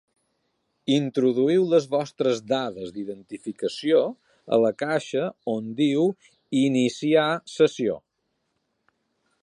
Introduïu les vostres dades d'identificació a la caixa on diu Iniciar sessió.